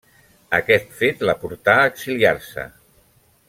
Aquest fet la portà a exiliar-se.